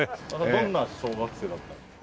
どんな小学生だったんですか？